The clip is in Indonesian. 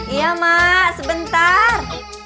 iya mak sebentar